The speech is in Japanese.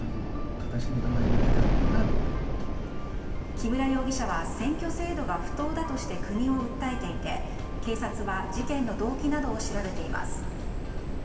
木村容疑者は選挙制度が不当だとして国を訴えていて警察は事件の動機などを調べています。